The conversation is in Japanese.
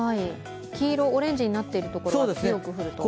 黄色、オレンジになっているところは強く降ると。